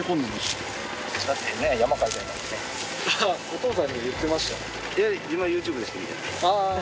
お父さんに言ってました？